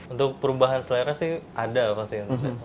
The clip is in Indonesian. untuk perubahan selera sih ada pasti